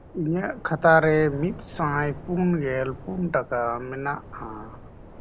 ᱤᱧᱟᱜ ᱠᱷᱟᱛᱟ ᱨᱮ ᱢᱤᱫᱥᱟᱭ ᱯᱩᱱᱜᱮᱞ ᱯᱩᱱ ᱴᱟᱠᱟ ᱢᱮᱱᱟᱜᱼᱟ᱾